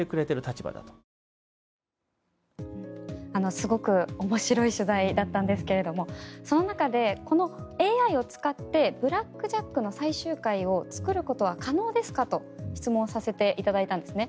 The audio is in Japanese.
すごく面白い取材だったんですがその中でこのＡＩを使って「ブラック・ジャック」の最終回を作ることは可能ですか？と質問させていただいたんですね。